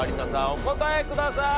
お答えください。